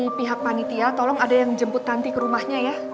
dari pihak panitia tolong ada yang jemput nanti ke rumahnya ya